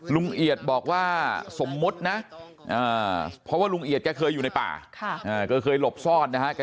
เอียดบอกว่าสมมุตินะเพราะว่าลุงเอียดแกเคยอยู่ในป่าก็เคยหลบซ่อนนะฮะ